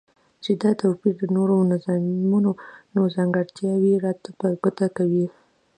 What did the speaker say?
چی دا توپیر د نورو نظامونو نیمګرتیاوی را په ګوته کوی